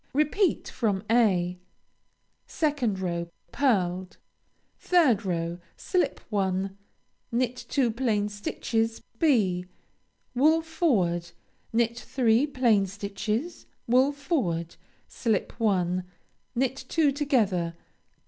Repeat from (a.) 2nd row Pearled. 3rd row Slip one. Knit two plain stitches (b.) Wool forward. Knit three plain stitches. Wool forward. Slip one. Knit two together.